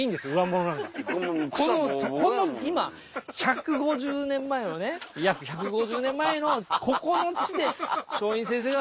この今１５０年前のね約１５０年前のここの地で松陰先生が。